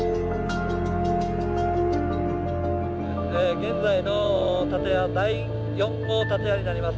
「現在の建屋第４号建屋になります。